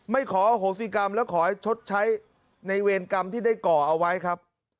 ขออโหสิกรรมและขอให้ชดใช้ในเวรกรรมที่ได้ก่อเอาไว้ครับ